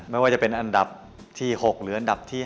ไม่ว่าจะเป็นอันดับที่๖หรืออันดับที่๕